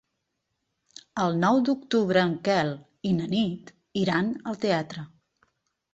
El nou d'octubre en Quel i na Nit iran al teatre.